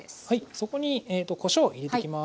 そこにこしょうを入れてきます。